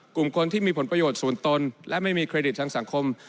กลุ่มคนที่มีผลประโยชน์ส่วนตนและไม่มีเครดิตทางสังคม